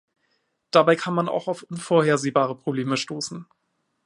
Dabei kann man auch auf unvorhersehbare Probleme stoßen.